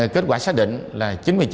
kết quả xác định là